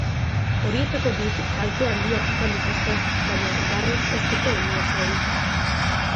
Horietako bik kalte handiak izan dituzte, baina garrek ez dute inor zauritu.